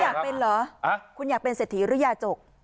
อยากเป็นเหรอคุณอยากเป็นเศรษฐีหรือยาจก